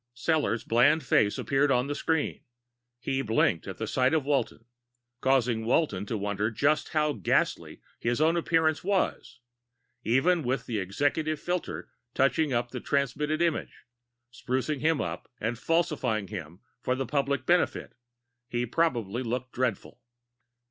Sellors' bland face appeared on the screen. He blinked at the sight of Walton, causing Walton to wonder just how ghastly his own appearance was; even with the executive filter touching up the transmitted image, sprucing him up and falsifying him for the public benefit, he probably looked dreadful.